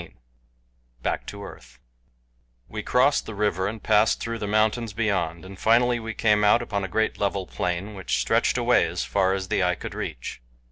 XV BACK TO EARTH WE CROSSED THE RIVER AND PASSED THROUGH THE mountains beyond, and finally we came out upon a great level plain which stretched away as far as the eye could reach.